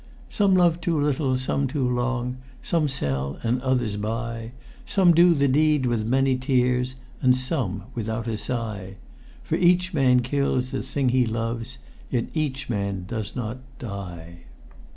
"Some love too little, some too long, Some sell, and others buy; Some do the deed with many tears, And some without a sigh: For each man kills the thing he loves, Yet each man does not die."